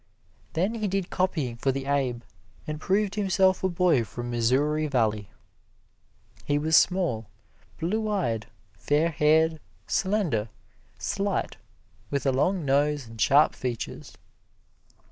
Then he did copying for the Abbe, and proved himself a boy from Missouri Valley. He was small, blue eyed, fair haired, slender, slight, with a long nose and sharp features.